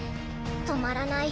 止まらない。